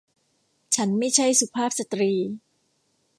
ฉันไม่ใช่สุภาพสตรี